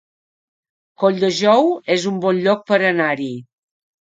Colldejou es un bon lloc per anar-hi